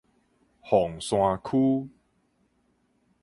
鳳山區